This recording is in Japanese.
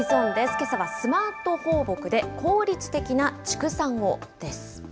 けさはスマート放牧で効率的な畜産を、です。